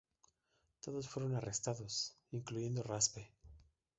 Todos fueron arrestados, incluyendo Raspe.